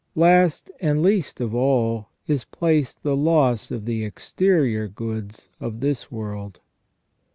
Last, and least of all, is placed the loss of the exterior goods of this world.